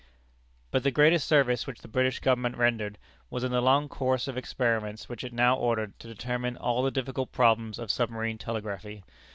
But the greatest service which the British Government rendered, was in the long course of experiments which it now ordered, to determine all the difficult problems of submarine telegraphy.